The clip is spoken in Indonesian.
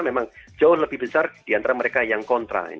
memang jauh lebih besar diantara mereka yang kontra